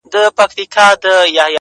كوټه ښېراوي هر ماښام كومه،